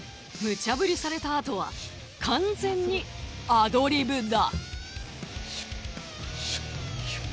ムチャぶりされたあとは完全にアドリブだ。